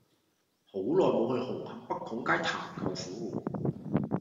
好耐無去紅磡北拱街探舅父